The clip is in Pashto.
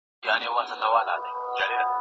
نړیوال معیارونه په څېړنه کي خامخا پلي کړئ.